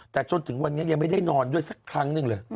แต่จนถึงวันนี้ยังไม่ได้นอนด้วยสักครั้งหนึ่งเลย